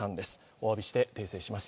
おわびして訂正します。